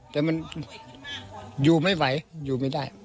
แต่มันอยู่ไม่ไหวอยู่ไม่ได้